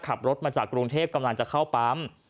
ขับรถมาจากกรุงเทพกำลังจะเข้าปั๊ม